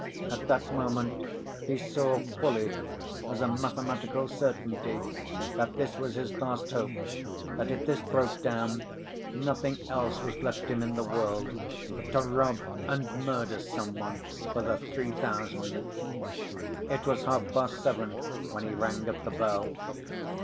At that moment he saw fully, as a mathematical certainty, that this was his last hope, that if this broke down, nothing else was left him in the world, but to "rob and murder some one for the three thousand." It was half‐past seven when he rang at the bell.